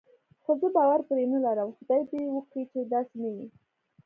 خو زه باور پرې نه لرم، خدای دې وکړي چې داسې نه وي.